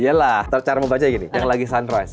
yelah cara membaca gini yang lagi sunrise